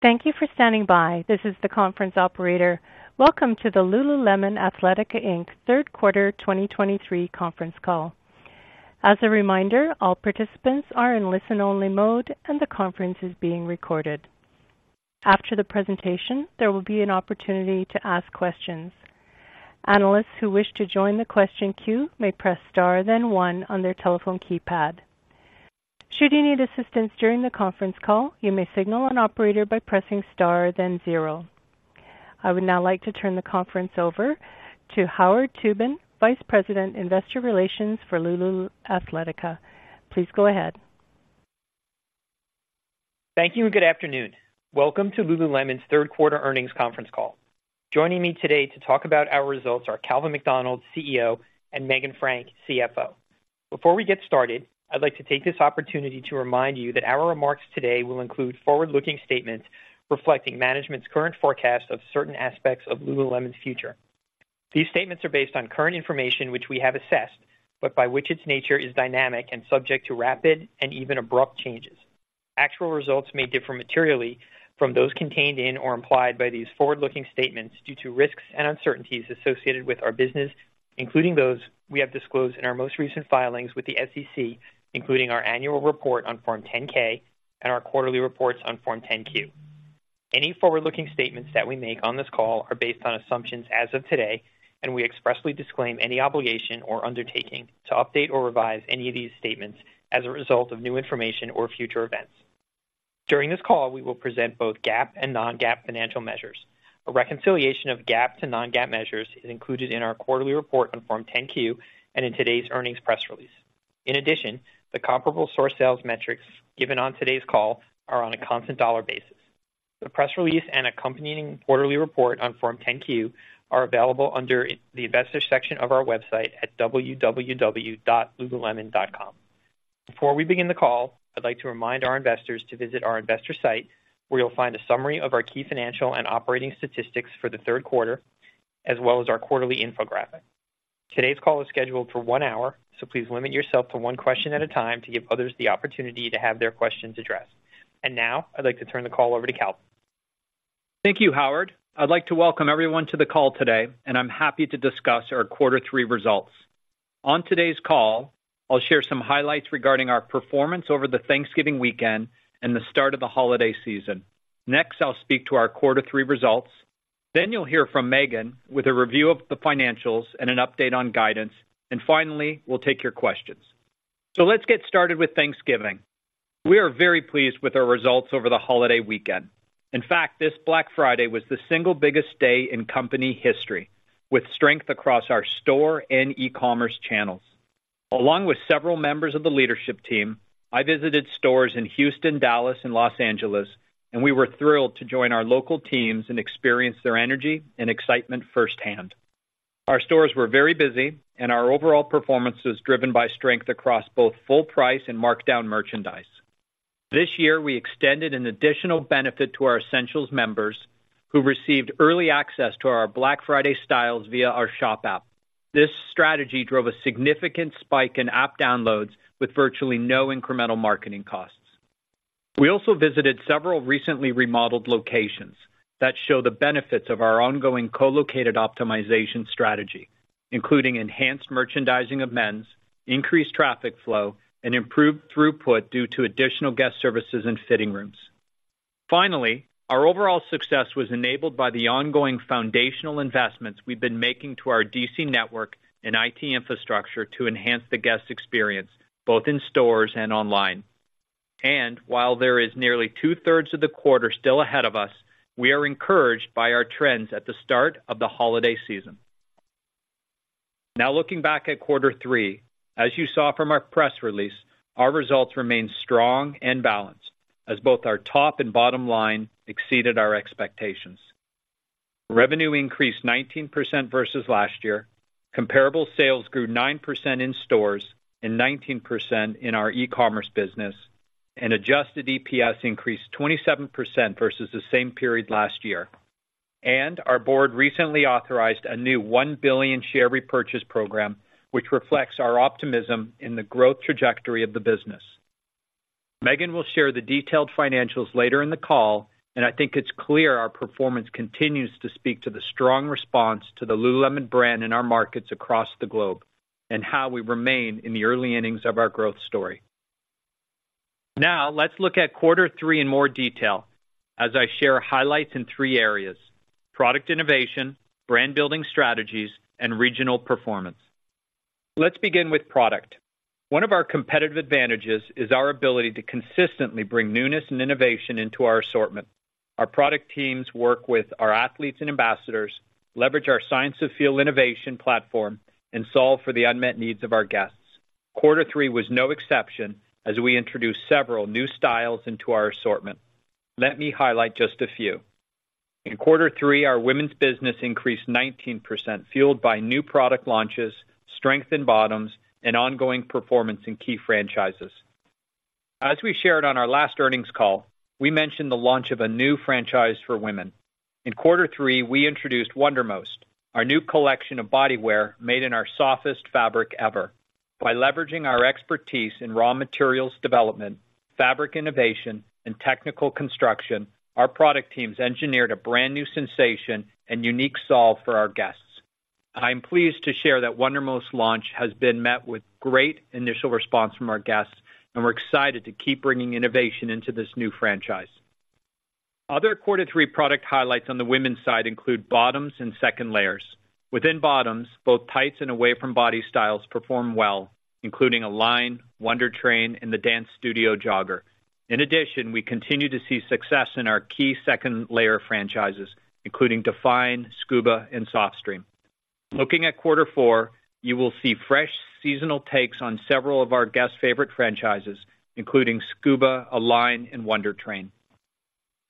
Thank you for standing by. This is the conference operator. Welcome to the lululemon athletica inc.'s third quarter 2023 conference call. As a reminder, all participants are in listen-only mode, and the conference is being recorded. After the presentation, there will be an opportunity to ask questions. Analysts who wish to join the question queue may press Star, then 1 on their telephone keypad. Should you need assistance during the conference call, you may signal an operator by pressing Star, then 0. I would now like to turn the conference over to Howard Tubin, Vice President, Investor Relations for lululemon athletica. Please go ahead. Thank you and good afternoon. Welcome to lululemon's third quarter earnings conference call. Joining me today to talk about our results are Calvin McDonald, CEO, and Meghan Frank, CFO. Before we get started, I'd like to take this opportunity to remind you that our remarks today will include forward-looking statements reflecting management's current forecast of certain aspects of lululemon's future. These statements are based on current information, which we have assessed, but by which its nature is dynamic and subject to rapid and even abrupt changes. Actual results may differ materially from those contained in or implied by these forward-looking statements due to risks and uncertainties associated with our business, including those we have disclosed in our most recent filings with the SEC, including our annual report on Form 10-K and our quarterly reports on Form 10-Q. Any forward-looking statements that we make on this call are based on assumptions as of today, and we expressly disclaim any obligation or undertaking to update or revise any of these statements as a result of new information or future events. During this call, we will present both GAAP and non-GAAP financial measures. A reconciliation of GAAP to non-GAAP measures is included in our quarterly report on Form 10-Q and in today's earnings press release. In addition, the comparable store sales metrics given on today's call are on a constant dollar basis. The press release and accompanying quarterly report on Form 10-Q are available under the Investors section of our website at www.lululemon.com. Before we begin the call, I'd like to remind our investors to visit our investor site, where you'll find a summary of our key financial and operating statistics for the third quarter, as well as our quarterly infographic. Today's call is scheduled for one hour, so please limit yourself to one question at a time to give others the opportunity to have their questions addressed. Now I'd like to turn the call over to Calvin. Thank you, Howard. I'd like to welcome everyone to the call today, and I'm happy to discuss our quarter three results. On today's call, I'll share some highlights regarding our performance over the Thanksgiving weekend and the start of the holiday season. Next, I'll speak to our quarter three results. Then you'll hear from Meghan with a review of the financials and an update on guidance. And finally, we'll take your questions. So let's get started with Thanksgiving. We are very pleased with our results over the holiday weekend. In fact, this Black Friday was the single biggest day in company history, with strength across our store and e-commerce channels. Along with several members of the leadership team, I visited stores in Houston, Dallas, and Los Angeles, and we were thrilled to join our local teams and experience their energy and excitement firsthand. Our stores were very busy, and our overall performance was driven by strength across both full price and markdown merchandise. This year, we extended an additional benefit to our Essentials Members, who received early access to our Black Friday styles via our shop app. This strategy drove a significant spike in app downloads with virtually no incremental marketing costs. We also visited several recently remodeled locations that show the benefits of our ongoing co-located optimization strategy, including enhanced merchandising of men's, increased traffic flow, and improved throughput due to additional guest services and fitting rooms. Finally, our overall success was enabled by the ongoing foundational investments we've been making to our DC network and IT infrastructure to enhance the guest experience, both in stores and online. While there is nearly two-thirds of the quarter still ahead of us, we are encouraged by our trends at the start of the holiday season. Now, looking back at quarter three, as you saw from our press release, our results remained strong and balanced as both our top and bottom line exceeded our expectations. Revenue increased 19% versus last year. Comparable sales grew 9% in stores and 19% in our e-commerce business, and adjusted EPS increased 27% versus the same period last year. Our board recently authorized a new $1 billion share repurchase program, which reflects our optimism in the growth trajectory of the business. Meghan will share the detailed financials later in the call, and I think it's clear our performance continues to speak to the strong response to the lululemon brand in our markets across the globe and how we remain in the early innings of our growth story. Now, let's look at quarter three in more detail as I share highlights in three areas: product innovation, brand building strategies, and regional performance. Let's begin with product. One of our competitive advantages is our ability to consistently bring newness and innovation into our assortment. Our product teams work with our athletes and ambassadors, leverage our Science of Feel innovation platform, and solve for the unmet needs of our guests. Quarter three was no exception, as we introduced several new styles into our assortment. Let me highlight just a few. In quarter three, our women's business increased 19%, fueled by new product launches, strength in bottoms, and ongoing performance in key franchises. As we shared on our last earnings call, we mentioned the launch of a new franchise for women.... In quarter three, we introduced Wundermost, our new collection of bodywear made in our softest fabric ever. By leveraging our expertise in raw materials development, fabric innovation, and technical construction, our product teams engineered a brand-new sensation and unique solve for our guests. I'm pleased to share that Wundermost launch has been met with great initial response from our guests, and we're excited to keep bringing innovation into this new franchise. Other quarter three product highlights on the women's side include bottoms and second layers. Within bottoms, both tights and away-from-body styles performed well, including Align, Wunder Train, and the Dance Studio Jogger. In addition, we continue to see success in our key second layer franchises, including Define, Scuba, and Softstreme. Looking at quarter four, you will see fresh seasonal takes on several of our guest favorite franchises, including Scuba, Align, and Wunder Train.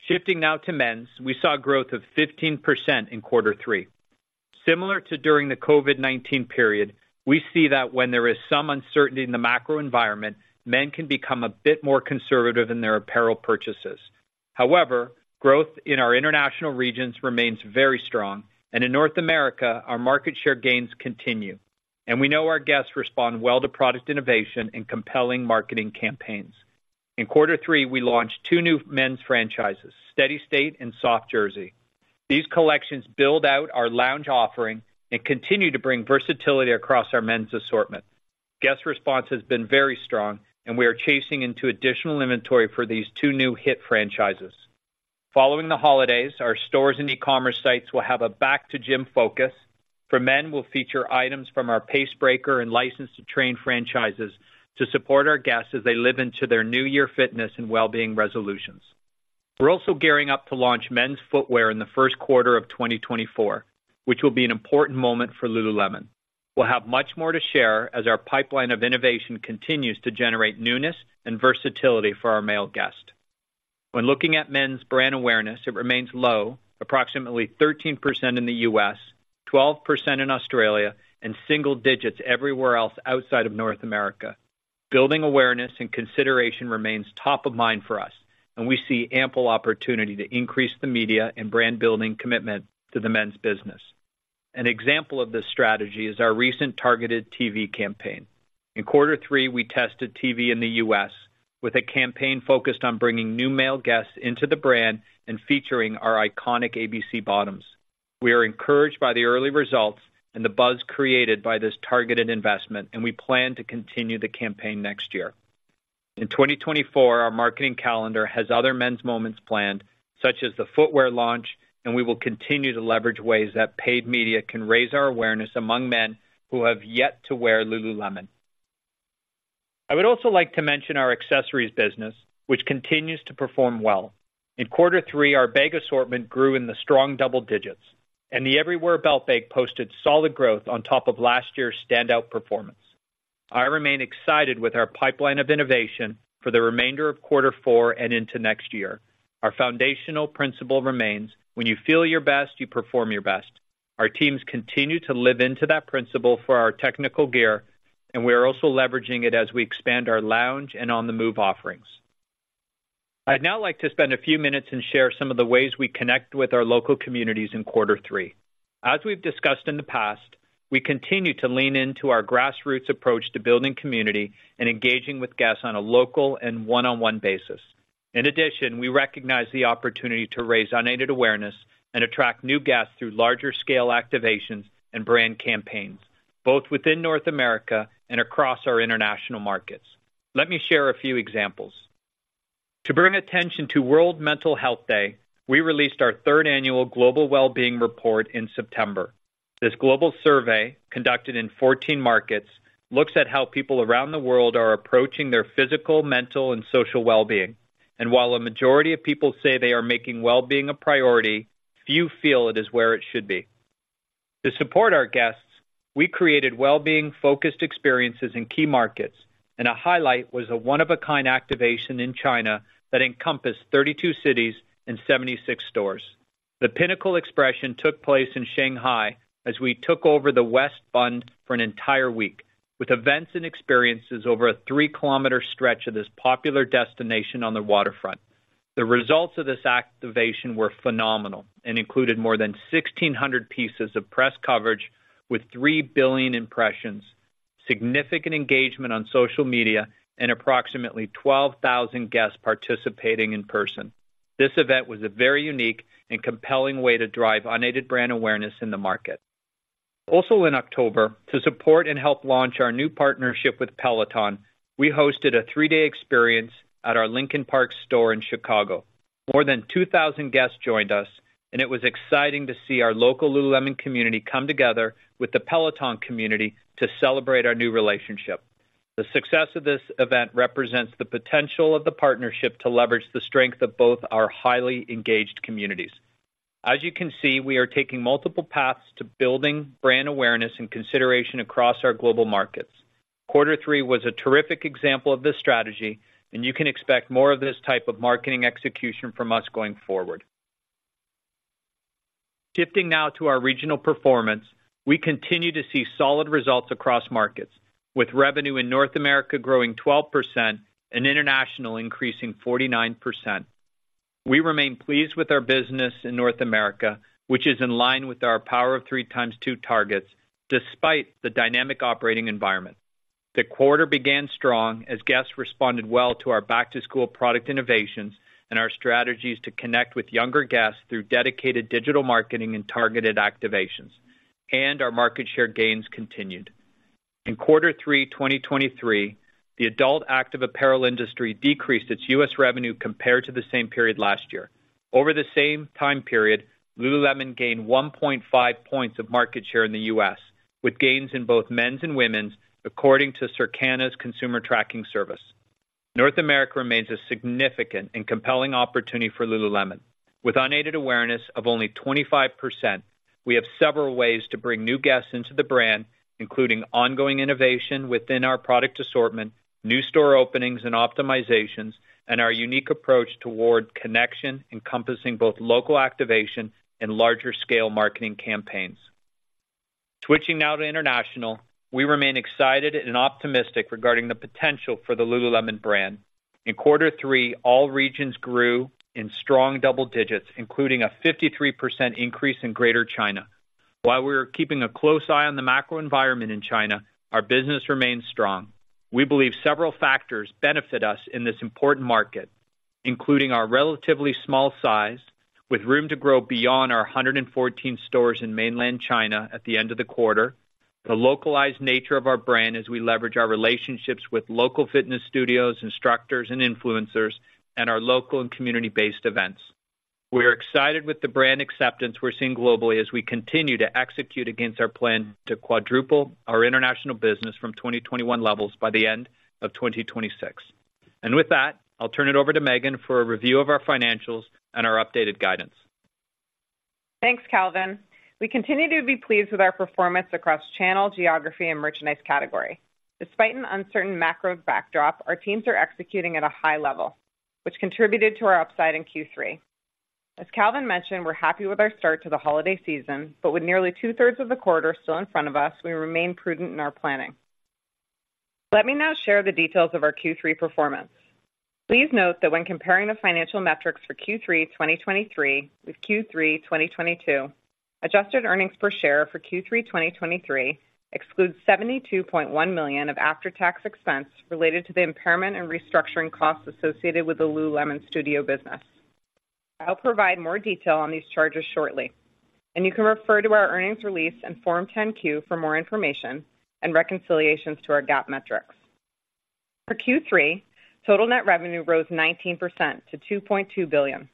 Shifting now to men's, we saw growth of 15% in quarter three. Similar to during the COVID-19 period, we see that when there is some uncertainty in the macro environment, men can become a bit more conservative in their apparel purchases. However, growth in our international regions remains very strong, and in North America, our market share gains continue, and we know our guests respond well to product innovation and compelling marketing campaigns. In quarter three, we launched two new men's franchises, Steady State and Soft Jersey. These collections build out our lounge offering and continue to bring versatility across our men's assortment. Guest response has been very strong, and we are chasing into additional inventory for these two new hit franchises. Following the holidays, our stores and e-commerce sites will have a back-to-gym focus. For men, we'll feature items from our Pace Breaker and License to Train franchises to support our guests as they live into their new year fitness and wellbeing resolutions. We're also gearing up to launch men's footwear in the first quarter of 2024, which will be an important moment for lululemon. We'll have much more to share as our pipeline of innovation continues to generate newness and versatility for our male guests. When looking at men's brand awareness, it remains low, approximately 13% in the U.S., 12% in Australia, and single digits everywhere else outside of North America. Building awareness and consideration remains top of mind for us, and we see ample opportunity to increase the media and brand-building commitment to the men's business. An example of this strategy is our recent targeted TV campaign. In quarter three, we tested TV in the U.S. with a campaign focused on bringing new male guests into the brand and featuring our iconic ABC bottoms. We are encouraged by the early results and the buzz created by this targeted investment, and we plan to continue the campaign next year. In 2024, our marketing calendar has other men's moments planned, such as the footwear launch, and we will continue to leverage ways that paid media can raise our awareness among men who have yet to wear lululemon. I would also like to mention our accessories business, which continues to perform well. In quarter three, our bag assortment grew in the strong double digits, and the Everywhere Belt Bag posted solid growth on top of last year's standout performance. I remain excited with our pipeline of innovation for the remainder of quarter four and into next year. Our foundational principle remains: When you feel your best, you perform your best. Our teams continue to live into that principle for our technical gear, and we are also leveraging it as we expand our lounge and on-the-move offerings. I'd now like to spend a few minutes and share some of the ways we connect with our local communities in quarter three. As we've discussed in the past, we continue to lean into our grassroots approach to building community and engaging with guests on a local and one-on-one basis. In addition, we recognize the opportunity to raise unaided awareness and attract new guests through larger scale activations and brand campaigns, both within North America and across our international markets. Let me share a few examples. To bring attention to World Mental Health Day, we released our third annual Global Wellbeing Report in September. This global survey, conducted in 14 markets, looks at how people around the world are approaching their physical, mental and social wellbeing, and while a majority of people say they are making wellbeing a priority, few feel it is where it should be. To support our guests, we created wellbeing-focused experiences in key markets, and a highlight was a one-of-a-kind activation in China that encompassed 32 cities and 76 stores. The pinnacle expression took place in Shanghai as we took over the West Bund for an entire week, with events and experiences over a 3-kilometer stretch of this popular destination on the waterfront. The results of this activation were phenomenal and included more than 1,600 pieces of press coverage with 3 billion impressions, significant engagement on social media, and approximately 12,000 guests participating in person. This event was a very unique and compelling way to drive unaided brand awareness in the market. Also in October, to support and help launch our new partnership with Peloton, we hosted a 3-day experience at our Lincoln Park store in Chicago. More than 2,000 guests joined us, and it was exciting to see our local lululemon community come together with the Peloton community to celebrate our new relationship. The success of this event represents the potential of the partnership to leverage the strength of both our highly engaged communities. As you can see, we are taking multiple paths to building brand awareness and consideration across our global markets. Quarter three was a terrific example of this strategy, and you can expect more of this type of marketing execution from us going forward. Shifting now to our regional performance, we continue to see solid results across markets, with revenue in North America growing 12% and international increasing 49%. We remain pleased with our business in North America, which is in line with our Power of Three × 2 targets, despite the dynamic operating environment. The quarter began strong as guests responded well to our back-to-school product innovations and our strategies to connect with younger guests through dedicated digital marketing and targeted activations, and our market share gains continued. In quarter three, 2023, the adult active apparel industry decreased its U.S. revenue compared to the same period last year. Over the same time period, lululemon gained 1.5 points of market share in the U.S., with gains in both men's and women's, according to Circana's Consumer Tracking Service. North America remains a significant and compelling opportunity for lululemon. With unaided awareness of only 25%, we have several ways to bring new guests into the brand, including ongoing innovation within our product assortment, new store openings and optimizations, and our unique approach toward connection, encompassing both local activation and larger scale marketing campaigns. Switching now to international, we remain excited and optimistic regarding the potential for the lululemon brand. In quarter three, all regions grew in strong double digits, including a 53% increase in Greater China. While we are keeping a close eye on the macro environment in China, our business remains strong. We believe several factors benefit us in this important market, including our relatively small size, with room to grow beyond our 114 stores in mainland China at the end of the quarter, the localized nature of our brand as we leverage our relationships with local fitness studios, instructors, and influencers, and our local and community-based events. We are excited with the brand acceptance we're seeing globally as we continue to execute against our plan to quadruple our international business from 2021 levels by the end of 2026. With that, I'll turn it over to Meghan for a review of our financials and our updated guidance. Thanks, Calvin. We continue to be pleased with our performance across channel, geography, and merchandise category. Despite an uncertain macro backdrop, our teams are executing at a high level, which contributed to our upside in Q3. As Calvin mentioned, we're happy with our start to the holiday season, but with nearly two-thirds of the quarter still in front of us, we remain prudent in our planning. Let me now share the details of our Q3 performance. Please note that when comparing the financial metrics for Q3 2023 with Q3 2022, adjusted earnings per share for Q3 2023 excludes $72.1 million of after-tax expense related to the impairment and restructuring costs associated with the lululemon Studio business. I'll provide more detail on these charges shortly, and you can refer to our earnings release and Form 10-Q for more information and reconciliations to our GAAP metrics. For Q3, total net revenue rose 19% to $2.2 billion.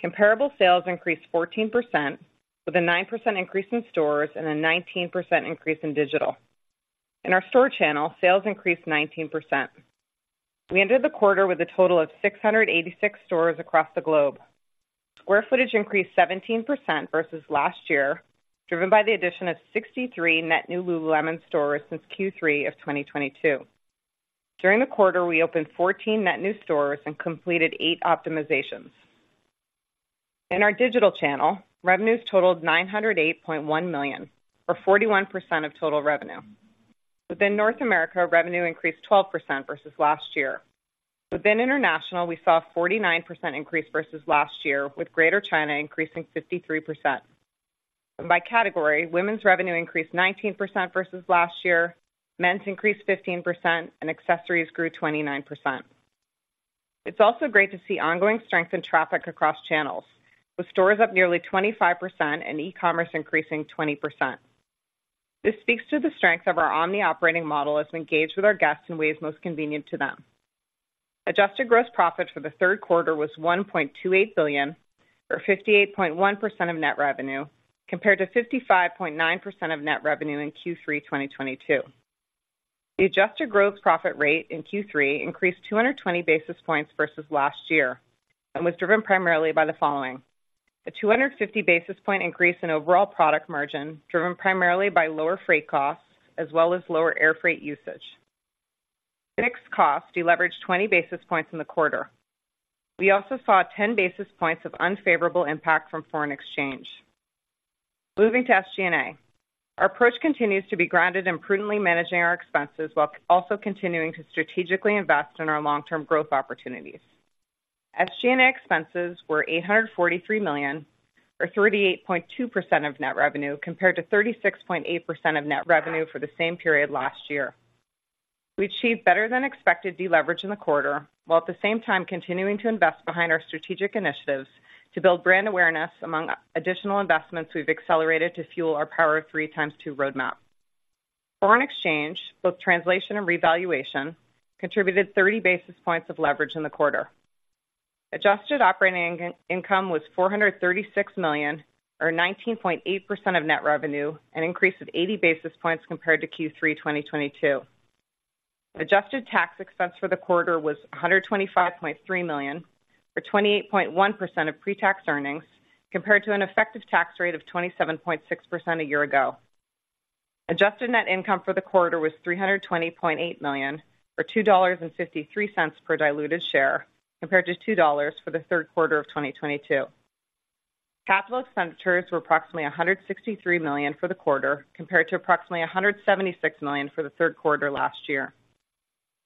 Comparable sales increased 14%, with a 9% increase in stores and a 19% increase in digital. In our store channel, sales increased 19%. We ended the quarter with a total of 686 stores across the globe. Square footage increased 17% versus last year, driven by the addition of 63 net new lululemon stores since Q3 of 2022. During the quarter, we opened 14 net new stores and completed eight optimizations. In our digital channel, revenues totaled $908.1 million, or 41% of total revenue. Within North America, revenue increased 12% versus last year. Within international, we saw a 49% increase versus last year, with Greater China increasing 53%. By category, women's revenue increased 19% versus last year, men's increased 15%, and accessories grew 29%. It's also great to see ongoing strength in traffic across channels, with stores up nearly 25% and e-commerce increasing 20%. This speaks to the strength of our omni-operating model as we engage with our guests in ways most convenient to them. Adjusted gross profit for the third quarter was $1.28 billion, or 58.1% of net revenue, compared to 55.9% of net revenue in Q3 2022. The adjusted gross profit rate in Q3 increased 220 basis points versus last year and was driven primarily by the following: A 250 basis point increase in overall product margin, driven primarily by lower freight costs as well as lower air freight usage. Fixed costs deleveraged 20 basis points in the quarter. We also saw 10 basis points of unfavorable impact from foreign exchange. Moving to SG&A. Our approach continues to be grounded in prudently managing our expenses while also continuing to strategically invest in our long-term growth opportunities. SG&A expenses were $843 million, or 38.2% of net revenue, compared to 36.8% of net revenue for the same period last year. We achieved better-than-expected deleverage in the quarter, while at the same time continuing to invest behind our strategic initiatives to build brand awareness among additional investments we've accelerated to fuel our Power of Three Times Two roadmap. Foreign exchange, both translation and revaluation, contributed 30 basis points of leverage in the quarter. Adjusted operating income was $436 million, or 19.8% of net revenue, an increase of eighty basis points compared to Q3 2022. Adjusted tax expense for the quarter was $125.3 million, or 28.1% of pre-tax earnings, compared to an effective tax rate of 27.6% a year ago. Adjusted net income for the quarter was $320.8 million, or $2.53 per diluted share, compared to $2 for the third quarter of 2022. Capital expenditures were approximately $163 million for the quarter, compared to approximately $176 million for the third quarter last year.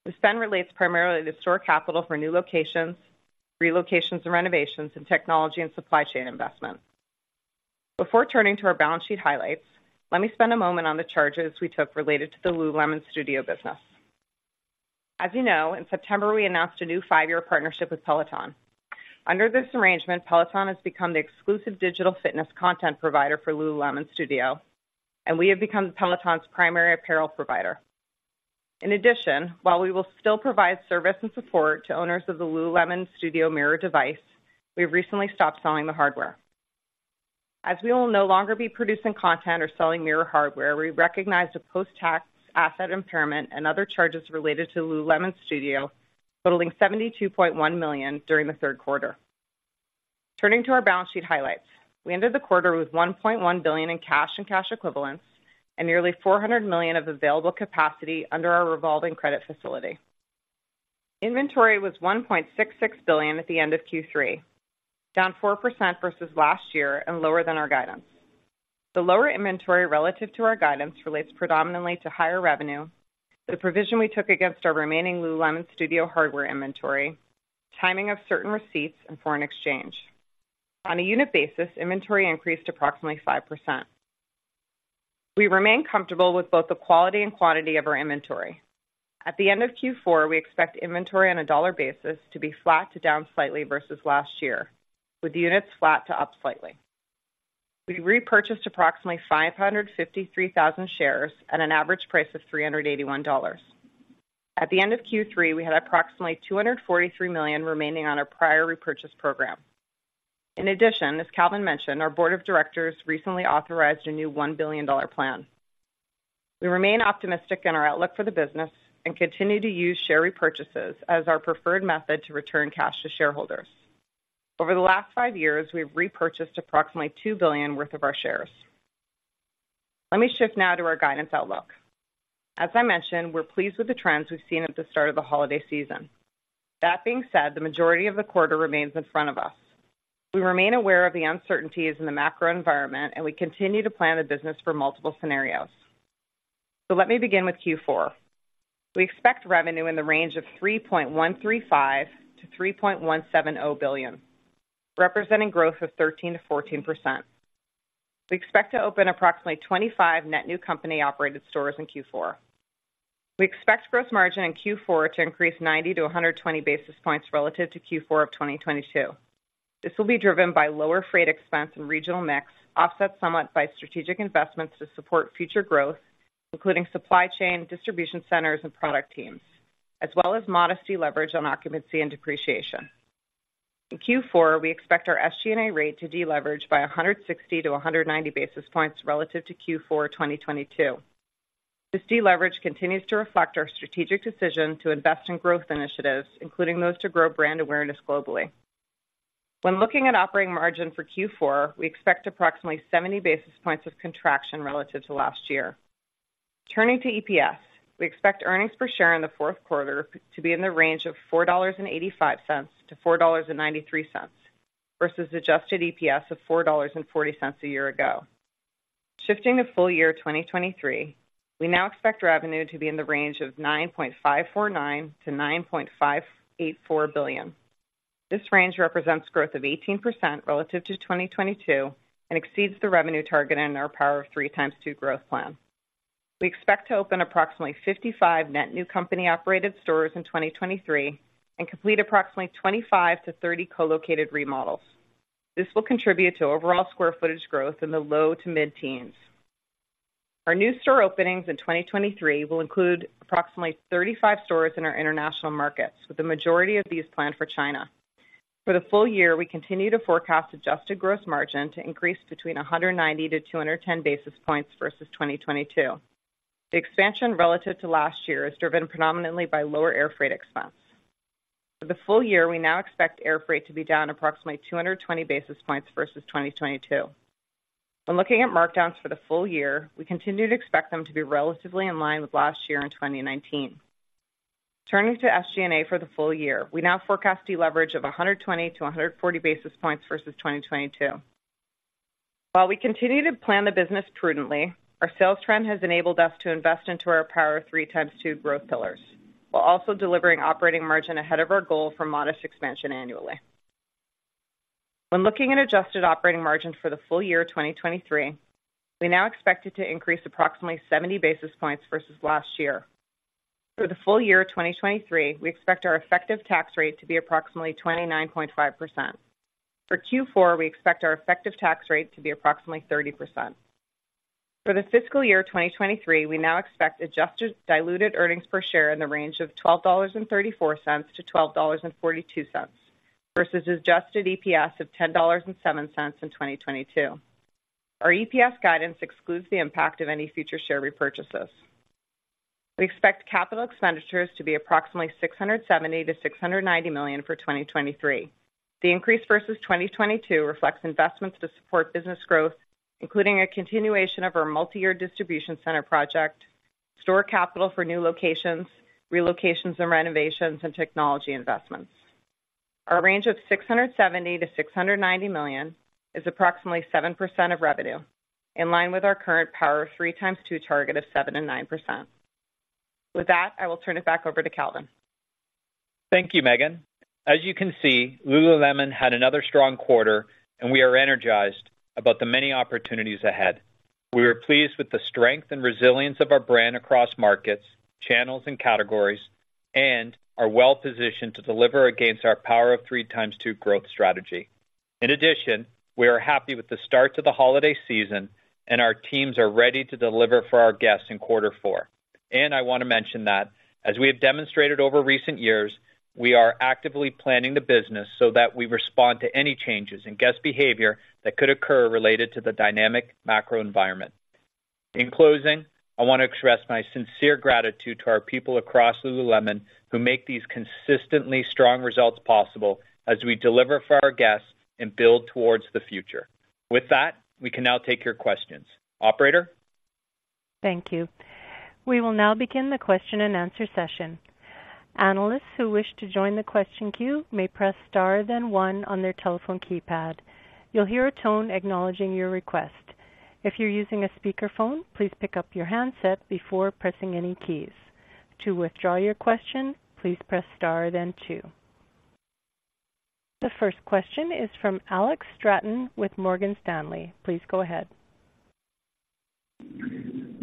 The spend relates primarily to store capital for new locations, relocations and renovations, and technology and supply chain investments. Before turning to our balance sheet highlights, let me spend a moment on the charges we took related to the lululemon Studio business. As you know, in September, we announced a new five-year partnership with Peloton. Under this arrangement, Peloton has become the exclusive digital fitness content provider for lululemon Studio, and we have become Peloton's primary apparel provider. In addition, while we will still provide service and support to owners of the lululemon Studio Mirror device, we have recently stopped selling the hardware. As we will no longer be producing content or selling Mirror hardware, we recognized a post-tax asset impairment and other charges related to lululemon Studio, totaling $72.1 million during the third quarter. Turning to our balance sheet highlights. We ended the quarter with $1.1 billion in cash and cash equivalents, and nearly $400 million of available capacity under our revolving credit facility. Inventory was $1.66 billion at the end of Q3, down 4% versus last year and lower than our guidance. The lower inventory relative to our guidance relates predominantly to higher revenue, the provision we took against our remaining lululemon Studio hardware inventory, timing of certain receipts, and foreign exchange. On a unit basis, inventory increased approximately 5%. We remain comfortable with both the quality and quantity of our inventory. At the end of Q4, we expect inventory on a dollar basis to be flat to down slightly versus last year, with units flat to up slightly. We repurchased approximately 553,000 shares at an average price of $381. At the end of Q3, we had approximately $243 million remaining on our prior repurchase program. In addition, as Calvin mentioned, our board of directors recently authorized a new $1 billion plan. We remain optimistic in our outlook for the business and continue to use share repurchases as our preferred method to return cash to shareholders. Over the last five years, we've repurchased approximately $2 billion worth of our shares. Let me shift now to our guidance outlook. As I mentioned, we're pleased with the trends we've seen at the start of the holiday season. That being said, the majority of the quarter remains in front of us. We remain aware of the uncertainties in the macro environment, and we continue to plan the business for multiple scenarios. So let me begin with Q4. We expect revenue in the range of $3.135 billion to $3.170 billion, representing growth of 13% to 14%. We expect to open approximately 25 net new company-operated stores in Q4. We expect gross margin in Q4 to increase 90 to 120 basis points relative to Q4 of 2022. This will be driven by lower freight expense and regional mix, offset somewhat by strategic investments to support future growth, including supply chain, distribution centers, and product teams, as well as modest leverage on occupancy and depreciation. In Q4, we expect our SG&A rate to deleverage by 160 to 190 basis points relative to Q4 2022. This deleverage continues to reflect our strategic decision to invest in growth initiatives, including those to grow brand awareness globally. When looking at operating margin for Q4, we expect approximately 70 basis points of contraction relative to last year. Turning to EPS, we expect earnings per share in the fourth quarter to be in the range of $4.85 to $4.93, versus adjusted EPS of $4.40 a year ago. Shifting to full year 2023, we now expect revenue to be in the range of $9.549 to $9.584 billion. This range represents growth of 18% relative to 2022 and exceeds the revenue target in our Power of Three × 2 growth plan. We expect to open approximately 55 net new company-operated stores in 2023 and complete approximately 25 to 30 co-located remodels. This will contribute to overall square footage growth in the low to mid-teens. Our new store openings in 2023 will include approximately 35 stores in our international markets, with the majority of these planned for China. For the full year, we continue to forecast adjusted gross margin to increase between 190-210 basis points versus 2022. The expansion relative to last year is driven predominantly by lower air freight expense. For the full year, we now expect air freight to be down approximately 220 basis points versus 2022. When looking at markdowns for the full year, we continue to expect them to be relatively in line with last year in 2019. Turning to SG&A for the full year, we now forecast deleverage of 120 to 140 basis points versus 2022. While we continue to plan the business prudently, our sales trend has enabled us to invest into our Power of Three × 2 growth pillars, while also delivering operating margin ahead of our goal for modest expansion annually. When looking at adjusted operating margin for the full year 2023, we now expect it to increase approximately 70 basis points versus last year. For the full year 2023, we expect our effective tax rate to be approximately 29.5%. For Q4, we expect our effective tax rate to be approximately 30%. For the fiscal year 2023, we now expect adjusted diluted earnings per share in the range of $12.34 to $12.42, versus adjusted EPS of $10.07 in 2022. Our EPS guidance excludes the impact of any future share repurchases. We expect capital expenditures to be approximately $670 million to $690 million for 2023. The increase versus 2022 reflects investments to support business growth, including a continuation of our multi-year distribution center project, store capital for new locations, relocations and renovations, and technology investments. Our range of $670 million to $690 million is approximately 7% of revenue, in line with our current Power of Three × 2 target of 7% to 9%. With that, I will turn it back over to Calvin. Thank you, Meghan. As you can see, lululemon had another strong quarter, and we are energized about the many opportunities ahead. We are pleased with the strength and resilience of our brand across markets, channels, and categories, and are well positioned to deliver against our Power of Three × 2 growth strategy. In addition, we are happy with the start to the holiday season, and our teams are ready to deliver for our guests in quarter four. I want to mention that as we have demonstrated over recent years, we are actively planning the business so that we respond to any changes in guest behavior that could occur related to the dynamic macro environment. In closing, I want to express my sincere gratitude to our people across lululemon, who make these consistently strong results possible as we deliver for our guests and build towards the future. With that, we can now take your questions. Operator? Thank you. We will now begin the question-and-answer session. Analysts who wish to join the question queue may press star then one on their telephone keypad. You'll hear a tone acknowledging your request. If you're using a speakerphone, please pick up your handset before pressing any keys. To withdraw your question, please press star then two. The first question is from Alex Straton with Morgan Stanley. Please go ahead.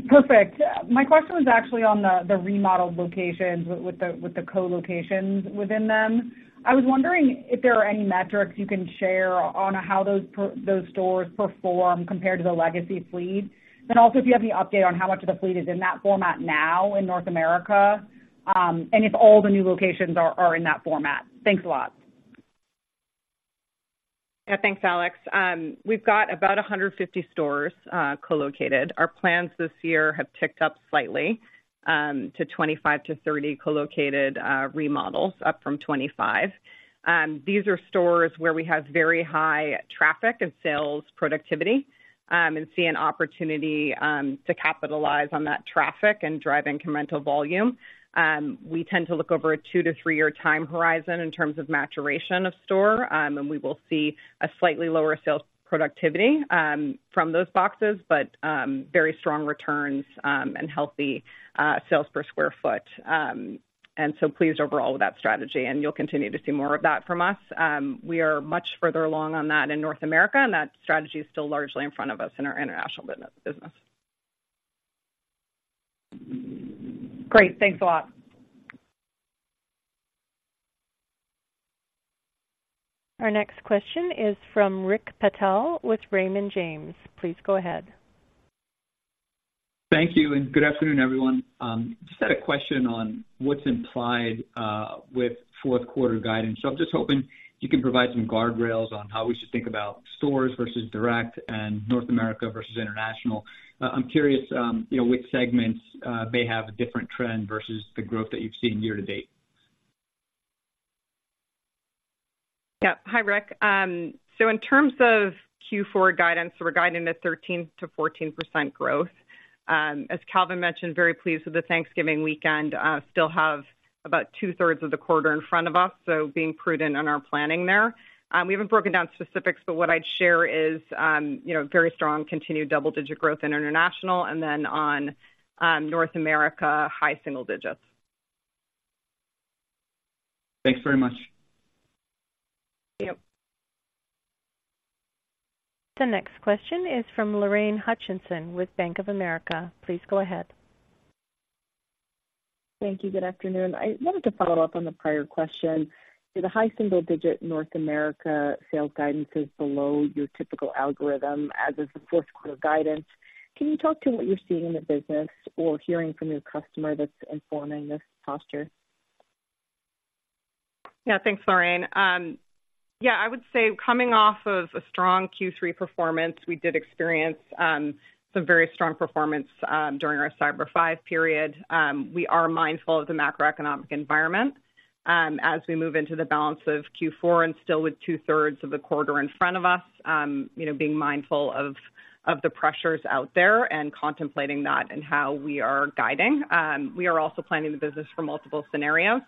Perfect. My question was actually on the remodeled locations with the co-locations within them. I was wondering if there are any metrics you can share on how those stores perform compared to the legacy fleet. Then also, if you have any update on how much of the fleet is in that format now in North America, and if all the new locations are in that format. Thanks a lot. Yeah, thanks, Alex. We've got about 150 stores co-located. Our plans this year have ticked up slightly to 25 to 30 co-located remodels, up from 25. These are stores where we have very high traffic and sales productivity and see an opportunity to capitalize on that traffic and drive incremental volume. We tend to look over a two to three-year time horizon in terms of maturation of store. And we will see a slightly lower sales productivity from those boxes, but very strong returns and healthy sales per square foot. And so pleased overall with that strategy, and you'll continue to see more of that from us. We are much further along on that in North America, and that strategy is still largely in front of us in our international business. Great, thanks a lot. Our next question is from Rick Patel with Raymond James. Please go ahead. Thank you, and good afternoon, everyone. Just had a question on what's implied with fourth quarter guidance. So I'm just hoping you can provide some guardrails on how we should think about stores versus direct and North America versus international. I'm curious, you know, which segments may have a different trend versus the growth that you've seen year to date? Yeah. Hi, Rick. So in terms of Q4 guidance, we're guiding to 13% to 14% growth. As Calvin mentioned, very pleased with the Thanksgiving weekend. Still have about two-thirds of the quarter in front of us, so being prudent on our planning there. We haven't broken down specifics, but what I'd share is, you know, very strong continued double-digit growth in international, and then on, North America, high single digits. Thanks very much. Yep. The next question is from Lorraine Hutchinson with Bank of America. Please go ahead. Thank you. Good afternoon. I wanted to follow up on the prior question. The high-single-digit North America sales guidance is below your typical algorithm, as is the fourth quarter guidance. Can you talk to what you're seeing in the business or hearing from your customer that's informing this posture? Yeah, thanks, Lorraine. Yeah, I would say coming off of a strong Q3 performance, we did experience some very strong performance during our Cyber Five period. We are mindful of the macroeconomic environment as we move into the balance of Q4 and still with two-thirds of the quarter in front of us, you know, being mindful of the pressures out there and contemplating that in how we are guiding. We are also planning the business for multiple scenarios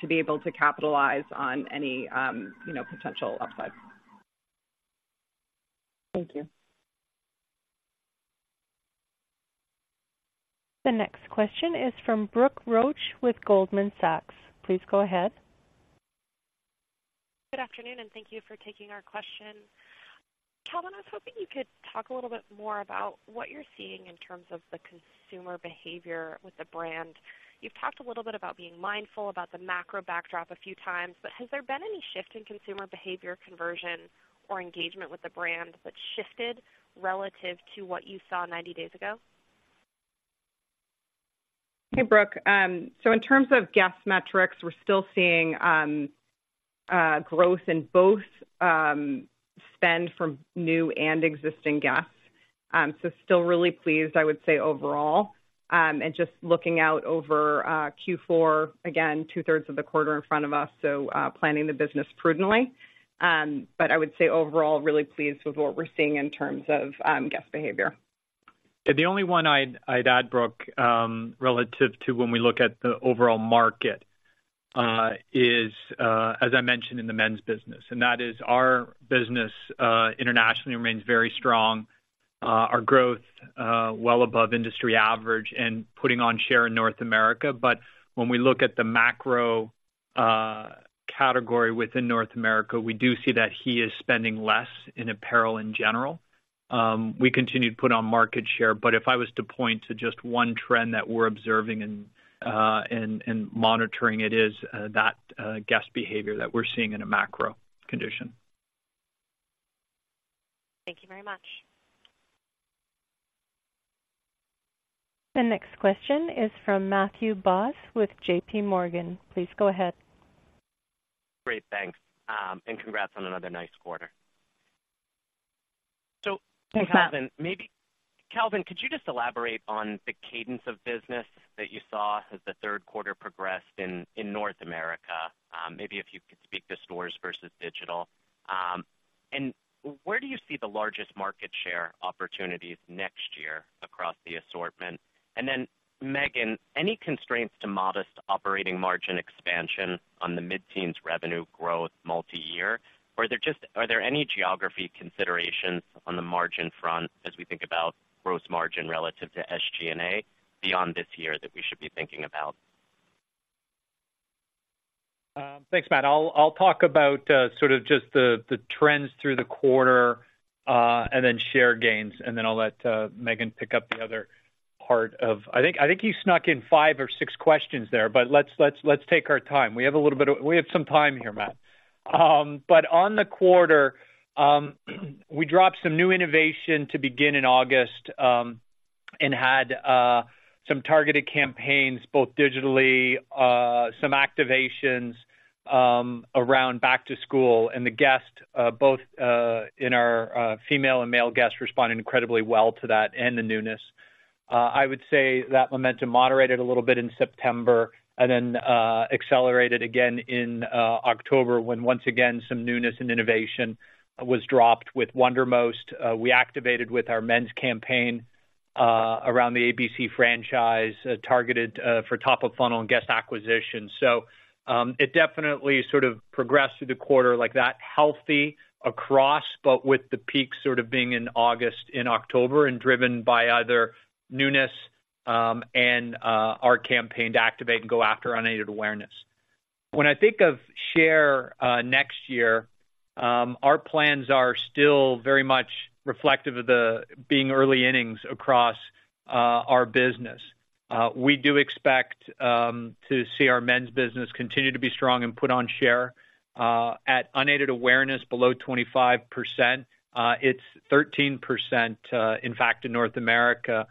to be able to capitalize on any, you know, potential upside. Thank you. The next question is from Brooke Roach with Goldman Sachs. Please go ahead. Good afternoon, and thank you for taking our question. Calvin, I was hoping you could talk a little bit more about what you're seeing in terms of the consumer behavior with the brand. You've talked a little bit about being mindful about the macro backdrop a few times, but has there been any shift in consumer behavior, conversion, or engagement with the brand that's shifted relative to what you saw 90 days ago? Hey, Brooke. So in terms of guest metrics, we're still seeing growth in both spend from new and existing guests. So still really pleased, I would say, overall. And just looking out over Q4, again, two-thirds of the quarter in front of us, so planning the business prudently. But I would say overall, really pleased with what we're seeing in terms of guest behavior. The only one I'd add, Brooke, relative to when we look at the overall market, is as I mentioned in the men's business, and that is our business internationally remains very strong. Our growth well above industry average and putting on share in North America. But when we look at the macro category within North America, we do see that he is spending less in apparel in general. We continue to put on market share, but if I was to point to just one trend that we're observing and monitoring, it is that guest behavior that we're seeing in a macro condition. Thank you very much. The next question is from Matthew Boss with JPMorgan. Please go ahead. Great, thanks. And congrats on another nice quarter. So Calvin, Calvin, could you just elaborate on the cadence of business that you saw as the third quarter progressed in, in North America? Maybe if you could speak to stores versus digital. And where do you see the largest market share opportunities next year across the assortment? And then, Meghan, any constraints to modest operating margin expansion on the mid-teens revenue growth multi-year? Or are there just, are there any geography considerations on the margin front as we think about gross margin relative to SG&A beyond this year, that we should be thinking about? Thanks, Matt. I'll talk about sort of just the trends through the quarter, and then share gains, and then I'll let Meghan pick up the other part of... I think you snuck in five or six questions there, but let's take our time. We have some time here, Matt. But on the quarter, we dropped some new innovation to begin in August, and had some targeted campaigns, both digitally, some activations, around back to school, and the guests both our female and male guests responded incredibly well to that and the newness. I would say that momentum moderated a little bit in September and then accelerated again in October, when once again, some newness and innovation was dropped with Wundermost. We activated with our men's campaign around the ABC franchise, targeted for top of funnel and guest acquisition. So, it definitely sort of progressed through the quarter like that, healthy across, but with the peak sort of being in August and October, and driven by either newness and our campaign to activate and go after unaided awareness. When I think of share next year, our plans are still very much reflective of the being early innings across our business. We do expect to see our men's business continue to be strong and put on share at unaided awareness below 25%. It's 13%, in fact, in North America.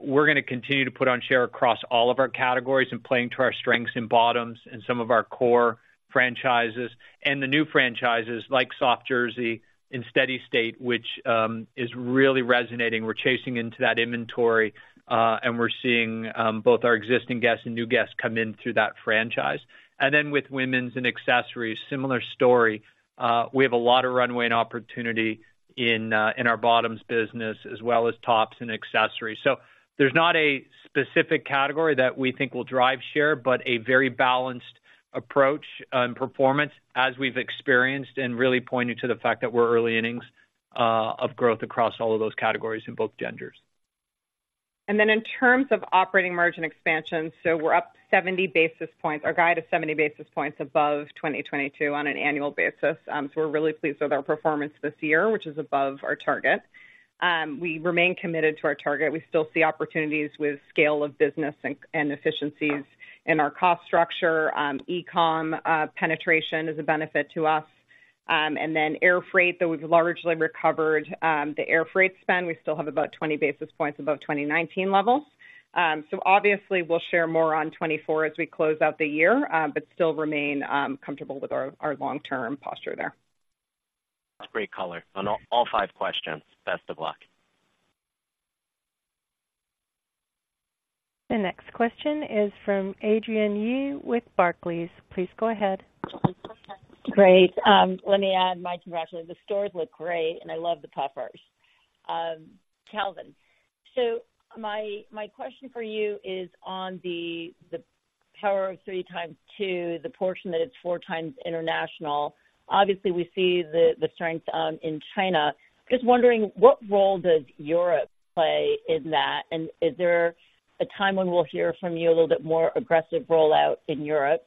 We're gonna continue to put on share across all of our categories and playing to our strengths in bottoms and some of our core franchises. The new franchises, like Soft Jersey in Steady State, which is really resonating. We're chasing into that inventory, and we're seeing both our existing guests and new guests come in through that franchise. And then with women's and accessories, similar story. We have a lot of runway and opportunity in our bottoms business, as well as tops and accessories. So there's not a specific category that we think will drive share, but a very balanced approach and performance as we've experienced and really pointed to the fact that we're early innings of growth across all of those categories in both genders. And then in terms of operating margin expansion, so we're up 70 basis points. Our guide is 70 basis points above 2022 on an annual basis. So we're really pleased with our performance this year, which is above our target. We remain committed to our target. We still see opportunities with scale of business and, and efficiencies in our cost structure. E-com penetration is a benefit to us. And then air freight, that we've largely recovered. The air freight spend, we still have about 20 basis points above 2019 levels. So obviously, we'll share more on 2024 as we close out the year, but still remain comfortable with our long-term posture there. That's great color on all, all five questions. Best of luck. The next question is from Adrienne Yih with Barclays. Please go ahead. Great. Let me add my congratulations. The stores look great, and I love the poppers. Calvin, so my, my question for you is on the, the Power of Three × 2, the portion that it's four times international. Obviously, we see the, the strength in China. Just wondering, what role does Europe play in that? And is there a time when we'll hear from you a little bit more aggressive rollout in Europe?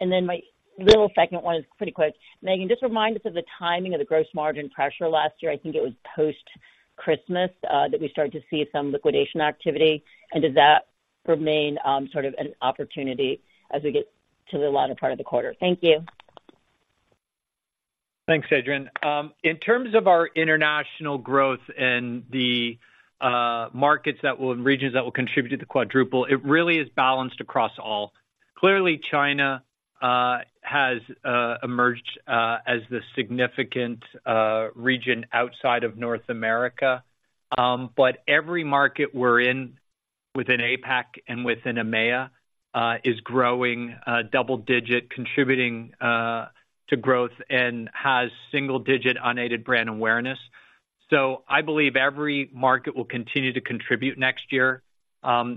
And then my little second one is pretty quick. Meghan, just remind us of the timing of the gross margin pressure last year. I think it was post-Christmas that we started to see some liquidation activity. And does that remain sort of an opportunity as we get to the latter part of the quarter? Thank you. Thanks, Adrian. In terms of our international growth and the markets and regions that will contribute to the quadruple, it really is balanced across all. Clearly, China has emerged as the significant region outside of North America. But every market we're in, within APAC and within EMEA, is growing double-digit, contributing to growth and has single-digit unaided brand awareness. So I believe every market will continue to contribute next year.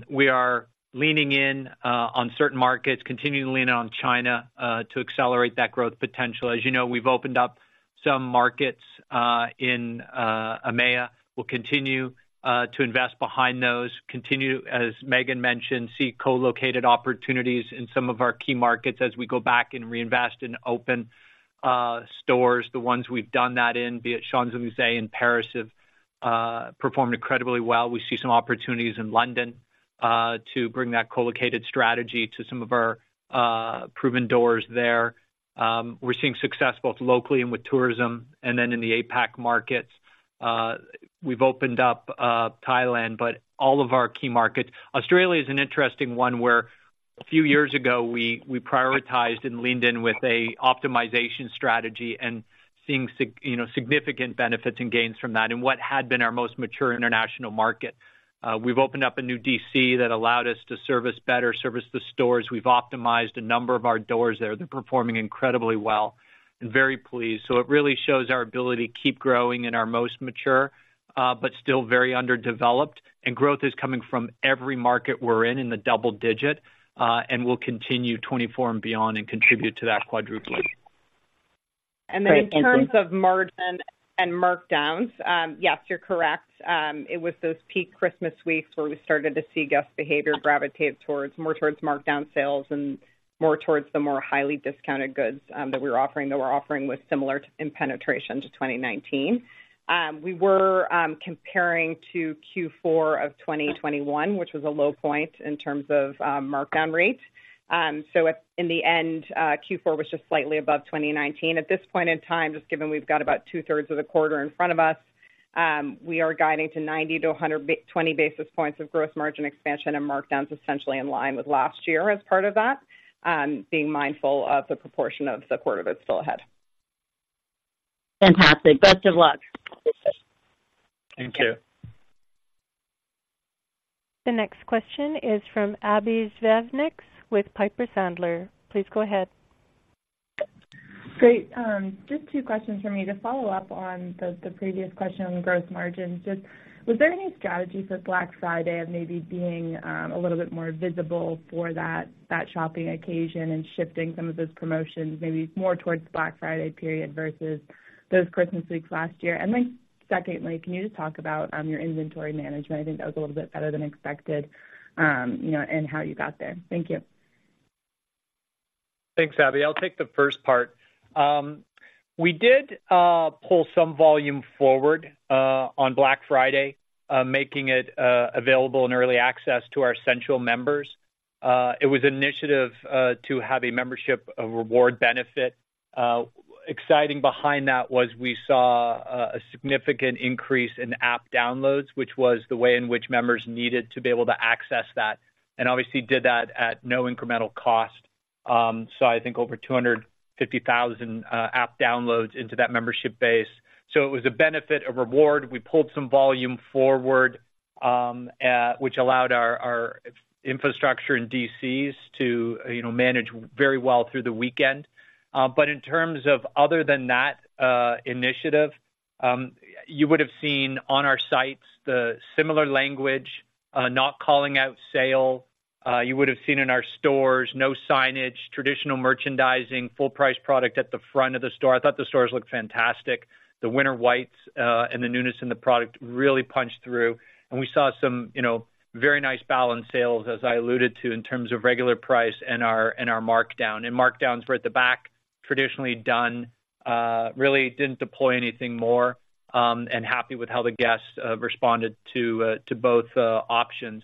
We are leaning in on certain markets, continuing to lean in on China to accelerate that growth potential. As you know, we've opened up some markets in EMEA. We'll continue to invest behind those, continue, as Meghan mentioned, seek co-located opportunities in some of our key markets as we go back and reinvest in open stores. The ones we've done that in, be it Champs-Élysées in Paris, have performed incredibly well. We see some opportunities in London to bring that co-located strategy to some of our proven doors there. We're seeing success both locally and with tourism, and then in the APAC markets. We've opened up Thailand, but all of our key markets... Australia is an interesting one, where a few years ago, we, we prioritized and leaned in with a optimization strategy and seeing sig- you know, significant benefits and gains from that, in what had been our most mature international market. We've opened up a new DC that allowed us to service better, service the stores. We've optimized a number of our doors there. They're performing incredibly well, and very pleased. It really shows our ability to keep growing in our most mature, but still very underdeveloped. Growth is coming from every market we're in, in the double digit, and will continue 2024 and beyond and contribute to that quadrupling. In terms of margin and markdowns, yes, you're correct. It was those peak Christmas weeks where we started to see guest behavior gravitate towards more towards markdown sales and more towards the more highly discounted goods that we were offering, that we're offering with similar penetration to 2019. We were comparing to Q4 of 2021, which was a low point in terms of markdown rates. In the end, Q4 was just slightly above 2019. At this point in time, just given we've got about two-thirds of the quarter in front of us, we are guiding to 90 to 120 basis points of gross margin expansion and markdowns, essentially in line with last year as part of that, being mindful of the proportion of the quarter that's still ahead. Fantastic. Best of luck. Thank you. The next question is from Abbie Zvejnieks with Piper Sandler. Please go ahead. Great. Just two questions for me. To follow up on the, the previous question on growth margins, just was there any strategies for Black Friday of maybe being a little bit more visible for that, that shopping occasion and shifting some of those promotions maybe more towards Black Friday period versus those Christmas weeks last year? And then secondly, can you just talk about your inventory management? I think that was a little bit better than expected, you know, and how you got there. Thank you. Thanks, Abby. I'll take the first part. We did pull some volume forward on Black Friday, making it available in early access to our Essentials Members. It was an initiative to have a membership reward benefit. Exciting behind that was we saw a significant increase in app downloads, which was the way in which members needed to be able to access that, and obviously did that at no incremental cost. So I think over 250,000 app downloads into that membership base. So it was a benefit, a reward. We pulled some volume forward, which allowed our infrastructure in DCs to, you know, manage very well through the weekend. But in terms of other than that initiative, you would have seen on our sites the similar language, not calling out sale. You would have seen in our stores, no signage, traditional merchandising, full price product at the front of the store. I thought the stores looked fantastic. The winter whites and the newness in the product really punched through, and we saw some, you know, very nice balanced sales, as I alluded to, in terms of regular price and our and our markdown. And markdowns were at the back, traditionally done, really didn't deploy anything more, and happy with how the guests responded to to both options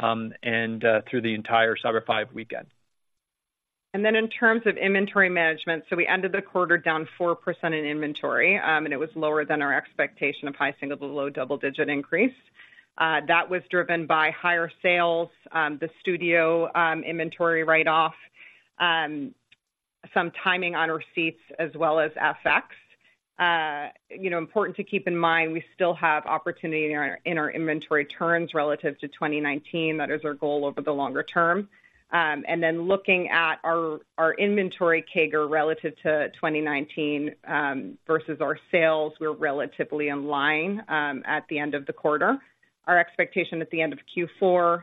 and through the entire Cyber Five weekend. And then in terms of inventory management, so we ended the quarter down 4% in inventory, and it was lower than our expectation of high-single-digit to low-double-digit increase. That was driven by higher sales, the Studio inventory write-off, some timing on receipts as well as FX. You know, important to keep in mind, we still have opportunity in our inventory turns relative to 2019. That is our goal over the longer term. And then looking at our inventory CAGR relative to 2019, versus our sales, we're relatively in line at the end of the quarter. Our expectation at the end of Q4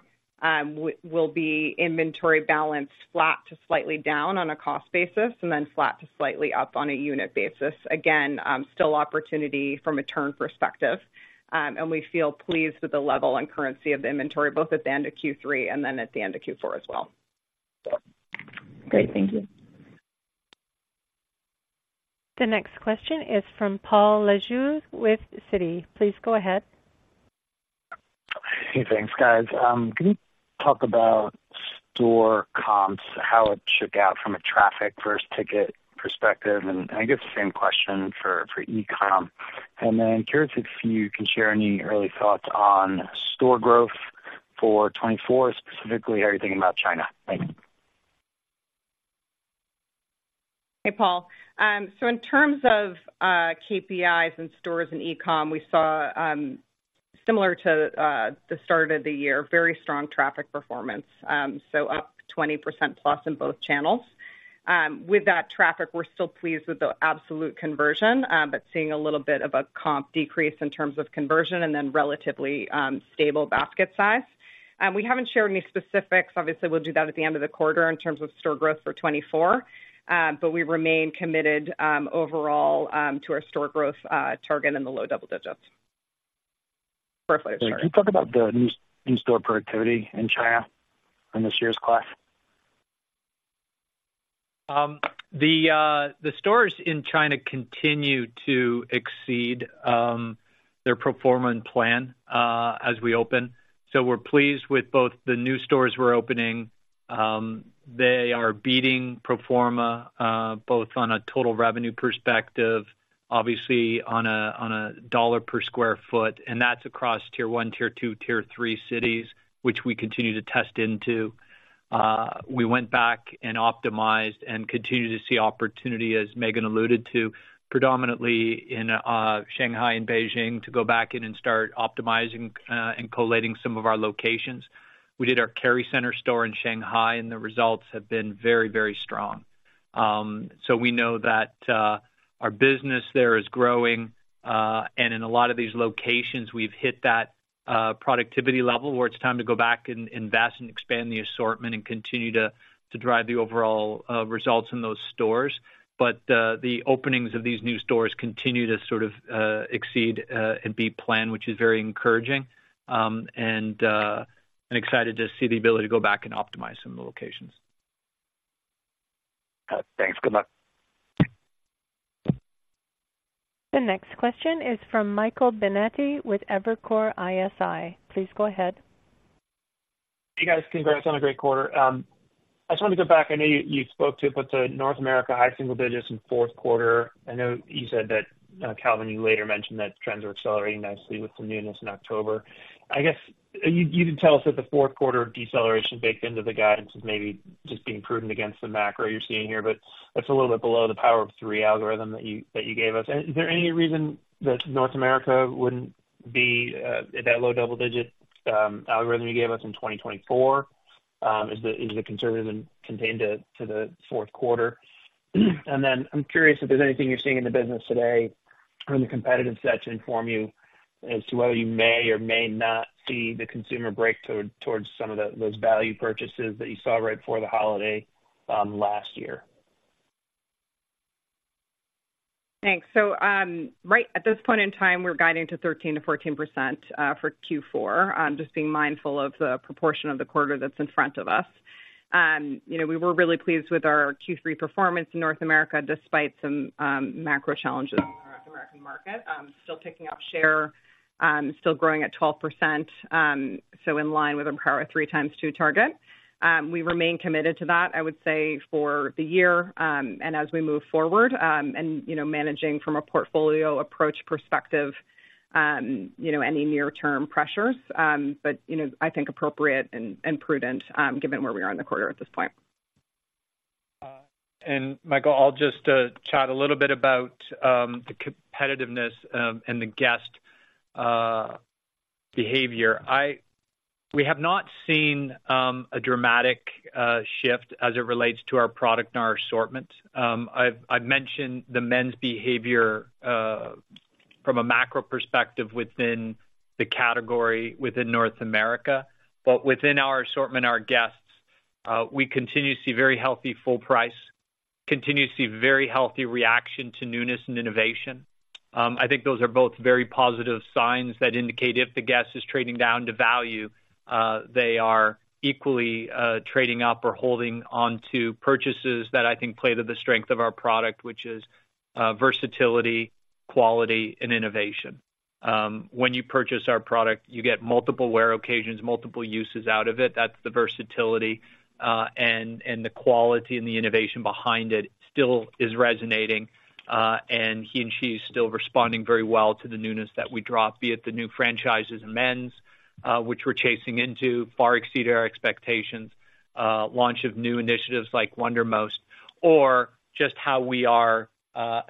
will be inventory balance flat to slightly down on a cost basis, and then flat to slightly up on a unit basis. Again, still opportunity from a turn perspective. And we feel pleased with the level and currency of the inventory, both at the end of Q3 and then at the end of Q4 as well. Great. Thank you. The next question is from Paul Lejuez with Citi. Please go ahead.... Hey, thanks, guys. Can you talk about store comps, how it shook out from a traffic first ticket perspective? And I guess the same question for e-com. And then curious if you can share any early thoughts on store growth for 2024, specifically, how you're thinking about China? Thanks. Hey, Paul. So in terms of, KPIs and stores and e-com, we saw, similar to, the start of the year, very strong traffic performance. So up 20%-plus in both channels. With that traffic, we're still pleased with the absolute conversion, but seeing a little bit of a comp decrease in terms of conversion and then relatively, stable basket size. We haven't shared any specifics. Obviously, we'll do that at the end of the quarter in terms of store growth for 2024, but we remain committed, overall, to our store growth, target in the low double digits. Can you talk about the new store productivity in China and this year's comps? The stores in China continue to exceed their pro forma and plan as we open. So we're pleased with both the new stores we're opening. They are beating pro forma both on a total revenue perspective, obviously on a dollar per square foot, and that's across tier one, tier two, tier three cities, which we continue to test into. We went back and optimized and continue to see opportunity, as Meghan alluded to, predominantly in Shanghai and Beijing, to go back in and start optimizing and co-locating some of our locations. We did our Kerry Centre store in Shanghai, and the results have been very, very strong. So we know that our business there is growing, and in a lot of these locations, we've hit that productivity level, where it's time to go back and invest and expand the assortment and continue to drive the overall results in those stores. But the openings of these new stores continue to sort of exceed and beat plan, which is very encouraging, and I'm excited to see the ability to go back and optimize some of the locations. Thanks. Good luck. The next question is from Michael Binetti with Evercore ISI. Please go ahead. Hey, guys. Congrats on a great quarter. I just wanted to go back. I know you, you spoke to it, but the North America high-single digits in fourth quarter. I know you said that, Calvin, you later mentioned that trends are accelerating nicely with some newness in October. I guess, you, you did tell us that the fourth quarter deceleration baked into the guidance is maybe just being prudent against the macro you're seeing here, but that's a little bit below the Power of Three algorithm that you, that you gave us. And is there any reason that North America wouldn't be at that low-double-digit algorithm you gave us in 2024? Is the, is the conservatism contained to, to the fourth quarter? And then I'm curious if there's anything you're seeing in the business today or in the competitive set to inform you as to whether you may or may not see the consumer break towards some of the, those value purchases that you saw right before the holiday last year? Thanks. So, right at this point in time, we're guiding to 13% to 14% for Q4. Just being mindful of the proportion of the quarter that's in front of us. You know, we were really pleased with our Q3 performance in North America, despite some macro challenges in the North American market. Still picking up share, still growing at 12%, so in line with our Power of Three × 2 target. We remain committed to that, I would say, for the year, and as we move forward, and, you know, managing from a portfolio approach perspective, you know, any near-term pressures, but, you know, I think appropriate and prudent, given where we are in the quarter at this point. And Michael, I'll just chat a little bit about the competitiveness and the guest behavior. We have not seen a dramatic shift as it relates to our product and our assortment. I've mentioned the men's behavior from a macro perspective within the category within North America, but within our assortment, our guests, we continue to see very healthy full price, continue to see very healthy reaction to newness and innovation. I think those are both very positive signs that indicate if the guest is trading down to value, they are equally trading up or holding onto purchases that I think play to the strength of our product, which is versatility, quality, and innovation. When you purchase our product, you get multiple wear occasions, multiple uses out of it. That's the versatility, and, and the quality and the innovation behind it still is resonating, and he and she is still responding very well to the newness that we drop, be it the new franchises in men's, which we're chasing into, far exceeded our expectations. Launch of new initiatives like Wundermost, or just how we are,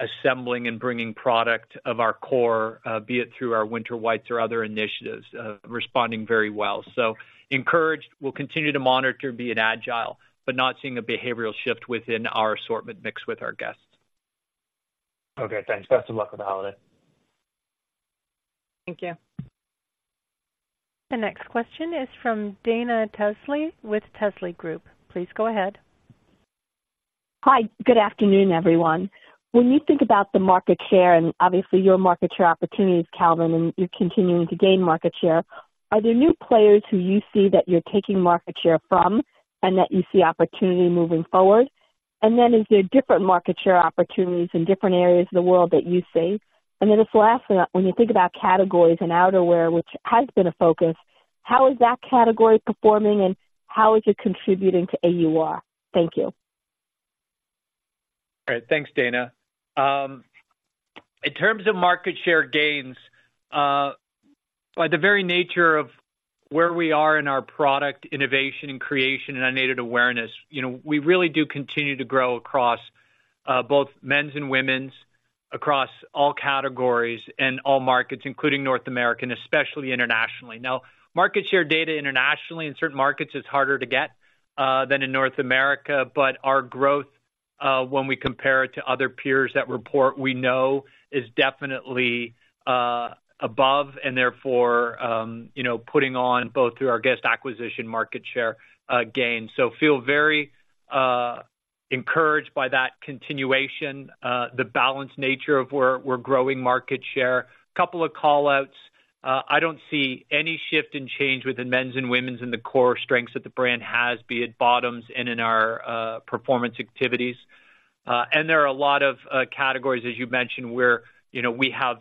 assembling and bringing product of our core, be it through our Winter Whites or other initiatives, responding very well. So encouraged. We'll continue to monitor, be it agile, but not seeing a behavioral shift within our assortment mix with our guests. Okay, thanks. Best of luck with the holiday. Thank you. The next question is from Dana Telsey with Telsey Group. Please go ahead. Hi, good afternoon, everyone. When you think about the market share and obviously your market share opportunities, Calvin, and you're continuing to gain market share, are there new players who you see that you're taking market share from and that you see opportunity moving forward? ...And then is there different market share opportunities in different areas of the world that you see? And then this last one, when you think about categories and outerwear, which has been a focus, how is that category performing and how is it contributing to AUR? Thank you. All right. Thanks, Dana. In terms of market share gains, by the very nature of where we are in our product innovation and creation and unaided awareness, you know, we really do continue to grow across both men's and women's, across all categories and all markets, including North America, especially internationally. Now, market share data internationally in certain markets is harder to get than in North America, but our growth, when we compare it to other peers that report, we know is definitely above and therefore, you know, putting on both through our guest acquisition, market share gain. So feel very encouraged by that continuation, the balanced nature of where we're growing market share. A couple of call-outs. I don't see any shift in change within men's and women's in the core strengths that the brand has, be it bottoms and in our, performance activities. And there are a lot of categories, as you mentioned, where, you know, we have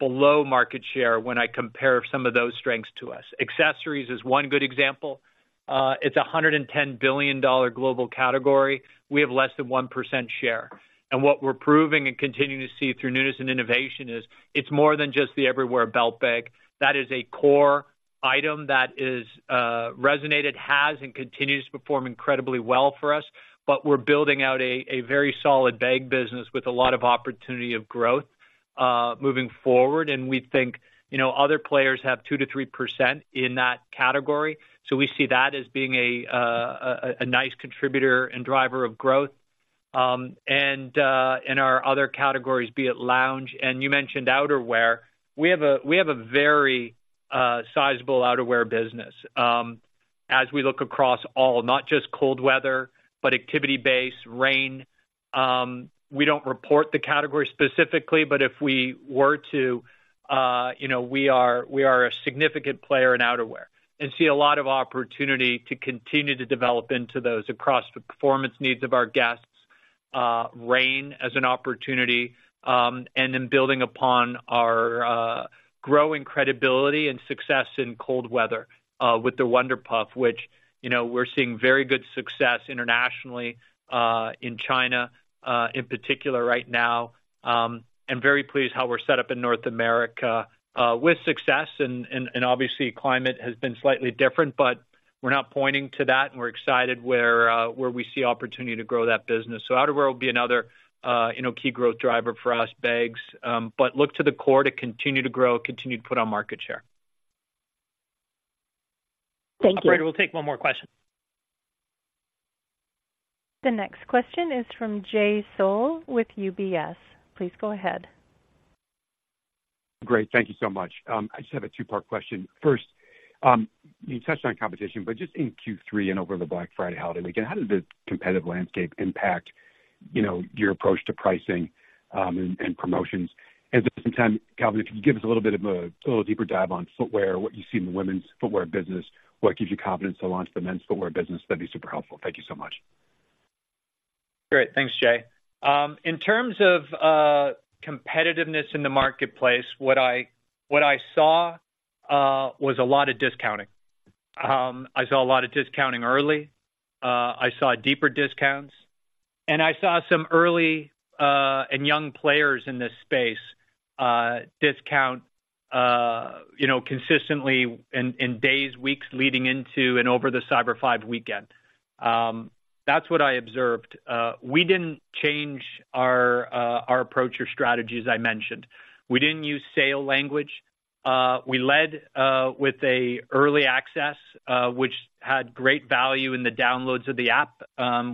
below market share when I compare some of those strengths to us. Accessories is one good example. It's a $110 billion global category. We have less than 1% share. And what we're proving and continuing to see through newness and innovation is, it's more than just the Everywhere Belt Bag. That is a core item that is, resonated, has, and continues to perform incredibly well for us. But we're building out a very solid bag business with a lot of opportunity of growth, moving forward. And we think, you know, other players have 2% to 3% in that category, so we see that as being a nice contributor and driver of growth. In our other categories, be it lounge, and you mentioned outerwear. We have a very sizable outerwear business. As we look across all, not just cold weather, but activity-based, rain. We don't report the category specifically, but if we were to, you know, we are a significant player in outerwear and see a lot of opportunity to continue to develop into those across the performance needs of our guests. Rain as an opportunity, and then building upon our growing credibility and success in cold weather with the Wunder Puff, which, you know, we're seeing very good success internationally in China in particular right now. And very pleased how we're set up in North America with success, and obviously, climate has been slightly different, but we're not pointing to that, and we're excited where we see opportunity to grow that business. So outerwear will be another, you know, key growth driver for us, bags, but look to the core to continue to grow, continue to put on market share. Thank you. Operator, we'll take one more question. The next question is from Jay Sole with UBS. Please go ahead. Great. Thank you so much. I just have a two-part question. First, you touched on competition, but just in Q3 and over the Black Friday holiday weekend, how did the competitive landscape impact, you know, your approach to pricing, and promotions? And at the same time, Calvin, if you could give us a little deeper dive on footwear, what you see in the women's footwear business, what gives you confidence to launch the men's footwear business, that'd be super helpful. Thank you so much. Great. Thanks, Jay. In terms of competitiveness in the marketplace, what I saw was a lot of discounting. I saw a lot of discounting early. I saw deeper discounts, and I saw some early and young players in this space discount, you know, consistently in days, weeks, leading into and over the Cyber Five weekend. That's what I observed. We didn't change our approach or strategy, as I mentioned. We didn't use sale language. We led with a early access, which had great value in the downloads of the app,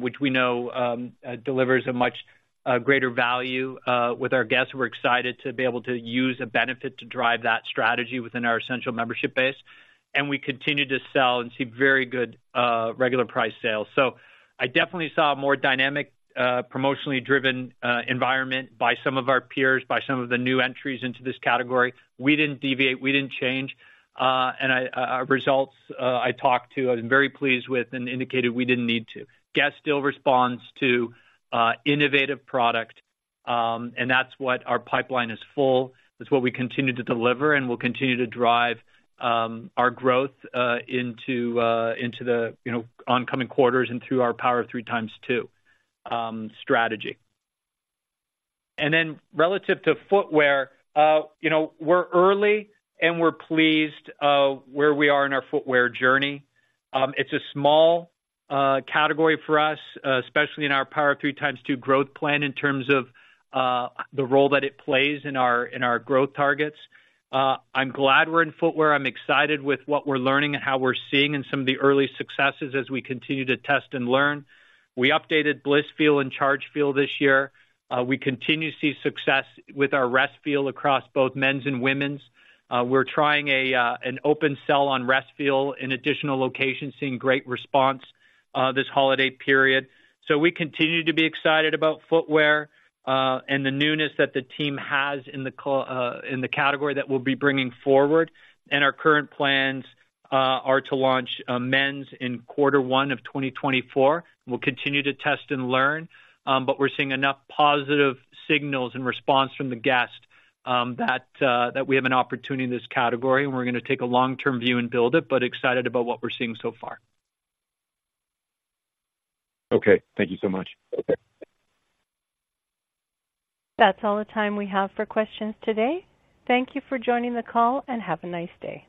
which we know delivers a much greater value with our guests. We're excited to be able to use a benefit to drive that strategy within our Essentials membership base, and we continue to sell and see very good regular price sales. So I definitely saw a more dynamic promotionally driven environment by some of our peers, by some of the new entries into this category. We didn't deviate, we didn't change, and our results. I talked to, I'm very pleased with and indicated we didn't need to. Guests still responds to innovative product, and that's what our pipeline is full. That's what we continue to deliver, and we'll continue to drive our growth into the you know oncoming quarters and through our Power of Three × 2 strategy. Relative to footwear, you know, we're early, and we're pleased where we are in our footwear journey. It's a small category for us, especially in our Power of Three × 2 growth plan in terms of the role that it plays in our growth targets. I'm glad we're in footwear. I'm excited with what we're learning and how we're seeing in some of the early successes as we continue to test and learn. We updated Blissfeel and Chargefeel this year. We continue to see success with our Restfeel across both men's and women's. We're trying an open sell on Restfeel in additional locations, seeing great response this holiday period. So we continue to be excited about footwear and the newness that the team has in the category that we'll be bringing forward. And our current plans are to launch men's in quarter one of 2024. We'll continue to test and learn, but we're seeing enough positive signals and response from the guest that we have an opportunity in this category, and we're gonna take a long-term view and build it, but excited about what we're seeing so far. Okay. Thank you so much. That's all the time we have for questions today. Thank you for joining the call, and have a nice day.